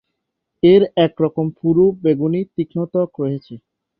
এর একরকম পুরো, বেগুনি, তীক্ষ্ণ ত্বক রয়েছে।